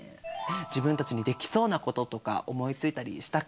自分たちにできそうなこととか思いついたりしたかな？